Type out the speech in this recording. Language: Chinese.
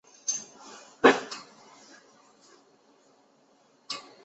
就是要聚焦如何更好地为大局服务、为人民司法